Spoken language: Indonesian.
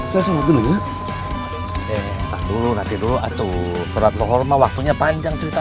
saya salah dulu ya eh tak dulu nanti dulu atuh berat lo hormat waktunya panjang cerita